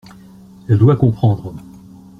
Elle doit comprendre.